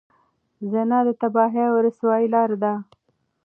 زنا د تباهۍ او رسوایۍ لاره ده.